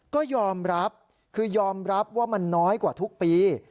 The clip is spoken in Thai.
ก็ยอมรับคือยอมรับว่ามันน้อยกว่าทุกปี